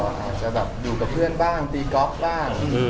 แล้วก็อยู่กับเพื่อนบ้างตีก๊อกบ้าง